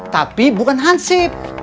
tapi bukan hansib